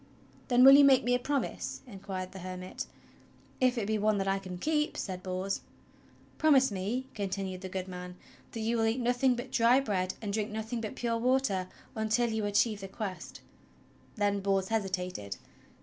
"Then will you make me a promise?" inquired the hermit. "If it be one that I can keep," said Bors. "Promise me," continued the good man, "that you will eat nothing but dry bread and drink nothing but pure water until you achieve the Quest." Then Bors hesitated.